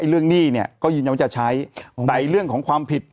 หนี้เนี่ยก็ยืนยันว่าจะใช้แต่เรื่องของความผิด